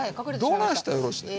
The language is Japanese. どないしたらよろしいねん。